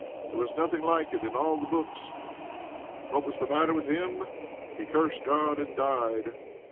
There was nothing like it in all the books. What was the matter with him? _He cursed God, and died!